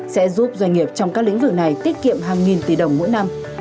sẽ giúp doanh nghiệp trong các lĩnh vực này tiết kiệm hàng nghìn tỷ đồng mỗi năm